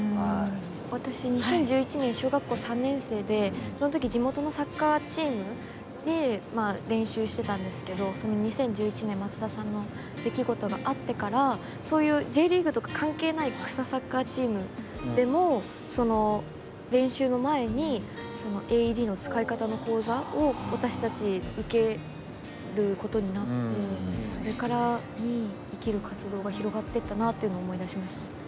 私２０１１年小学校３年生でその時地元のサッカーチームで練習してたんですけど２０１１年松田さんの出来事があってからそういうＪリーグとか関係ない草サッカーチームでも練習の前にそのＡＥＤの使い方の講座を私たち受けることになってそこから生きる活動が広がってったなっていうのを思い出しました。